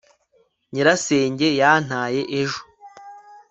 nyirasenge yantaye ejo